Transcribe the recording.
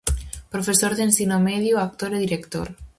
Profesor de Ensino Medio, actor e director.